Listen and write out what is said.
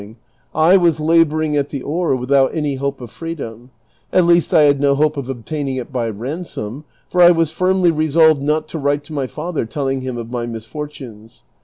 ring, I was laboring at the oar without any hope of freedom ; at least 1 had no hope of obtaining it by ransom, for I was firmly resolved not to write to ray father telling him of my misfortunes.